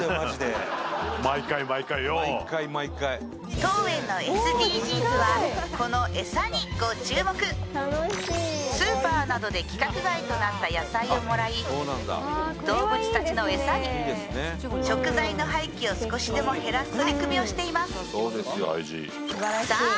毎回毎回よ毎回毎回スーパーなどで規格外となった野菜をもらい動物たちのエサに食材の廃棄を少しでも減らす取り組みをしていますさあ